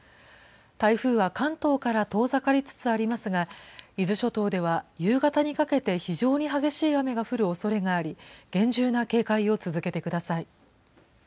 台風は関東から遠ざかりつつありますが、伊豆諸島では夕方にかけて非常に激しい雨が降るおそれがあり、厳重な警戒を続けてください。